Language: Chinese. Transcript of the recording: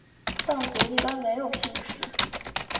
藏族一般没有姓氏。